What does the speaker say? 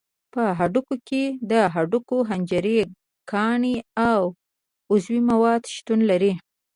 په هډوکي کې د هډوکو حجرې، کاني او عضوي مواد شتون لري.